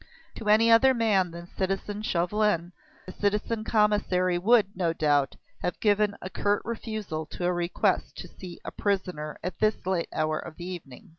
To any other man than citizen Chauvelin, the citizen Commissary would, no doubt, have given a curt refusal to a request to see a prisoner at this late hour of the evening.